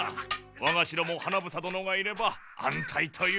わが城も花房殿がいれば安泰というもの。